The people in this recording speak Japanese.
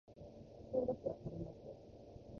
兵庫県播磨町